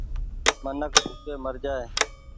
منک ڀوڪي مرجآئي ۔